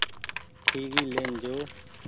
سي وي لين جو۔